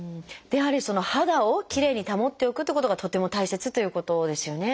やはり肌をきれいに保っておくってことがとっても大切ということですよね。